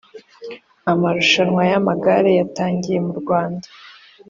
Amarushanwa ya magare yatangiye mu Rwanda